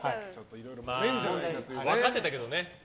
分かってたけどね。